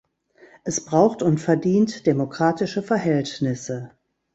Es braucht und verdient demokratische Verhältnisse.